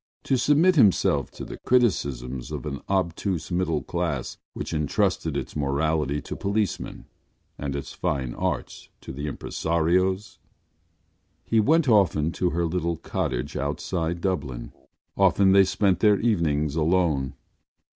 To submit himself to the criticisms of an obtuse middle class which entrusted its morality to policemen and its fine arts to impresarios? He went often to her little cottage outside Dublin; often they spent their evenings alone.